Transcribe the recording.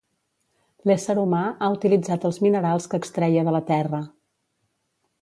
L'ésser humà ha utilitzat els minerals que extreia de la Terra